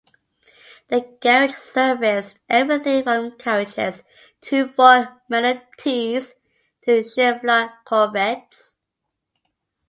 The garage serviced everything from carriages to Ford Model Ts to Chevrolet Corvettes.